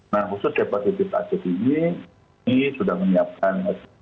nah khusus cepat cepat ini ini sudah menyiapkan